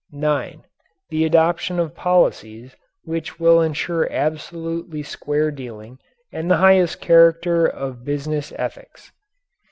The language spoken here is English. (9) The adoption of policies which will ensure absolutely square dealing and the highest character of business ethics.